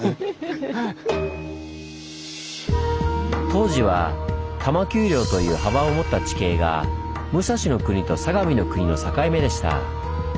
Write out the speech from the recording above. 当時は多摩丘陵という幅を持った地形が武蔵国と相模国の境目でした。